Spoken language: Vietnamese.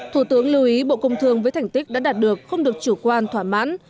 thủ tướng lưu ý bộ công thương với thành tích đã đạt được không được chủ quan thỏa mãn